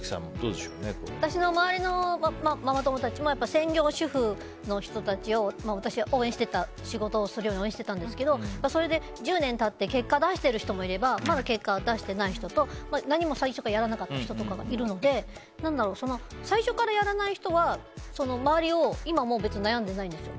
私の周りのママ友たちも専業主婦の人たちを仕事をするように応援してたんですけどそれで１０年経って結果を出してる人もいればまだ出してないって人も何も最初からやらなかった人とかいるので最初からやらない人は今、もう悩んでないんですよ。